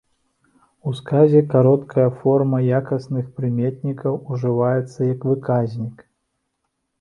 У сказе кароткая форма якасных прыметнікаў ужываецца як выказнік.